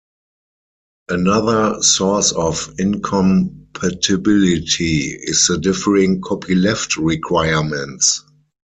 Another source of incompatibility is the differing copyleft requirements.